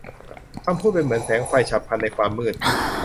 คำพูดเป็นเหมือนแสงไฟฉับพลันในความมืด